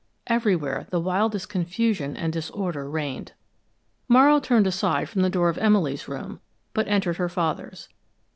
Everywhere the wildest confusion and disorder reigned. Morrow turned aside from the door of Emily's room, but entered her father's.